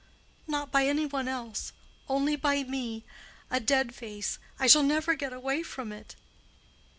"Not by any one else—only by me—a dead face—I shall never get away from it."